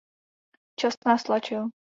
Čas nás tlačil.